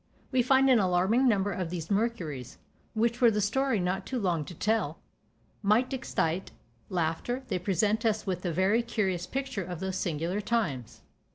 We find an alarming number of these Mercuries, which, were the story not too long to tell, might excite laughter; they present us with a very curious picture of those singular times.